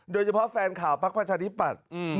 โดยเฉพาะแฟนข่าวภาคประชาณีปรัชน์